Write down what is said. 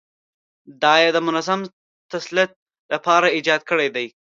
دا یې د منظم تسلط لپاره ایجاد کړي دي.